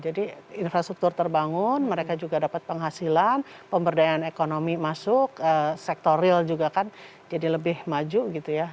jadi infrastruktur terbangun mereka juga dapat penghasilan pemberdayaan ekonomi masuk sektor real juga kan jadi lebih maju gitu ya